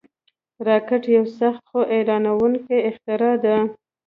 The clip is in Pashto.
راکټ یو سخت، خو حیرانوونکی اختراع ده